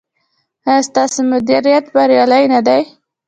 ایا ستاسو مدیریت بریالی نه دی؟